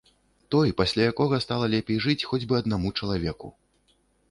Той пасля якога стала лепей жыць хоць бы аднаму чалавеку.